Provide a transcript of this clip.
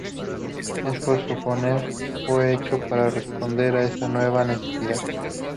Es de suponer fue hecho para responder a esa nueva necesidad.